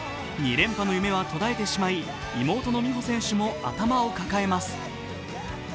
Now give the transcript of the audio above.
２連覇の夢は途絶えてしまい、妹の美帆選手も頭を抱えます。